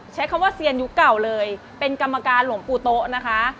ใช้คำว่าเซียนยุคเก่าเลยเป็นกรรมการหลวงปู่โต๊ะนะคะ